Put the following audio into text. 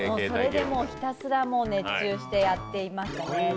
それでもうひたすら熱中してやってましたね。